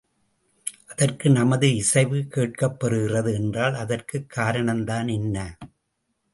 அதற்கு நமது இசைவு கேட்கப் பெறுகிறது என்றால் அதற்குக் காரணம்தான் என்ன?